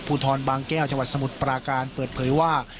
ภูทรบางแก้วจังหวัดสมุทรปราการเปิดเผยว่า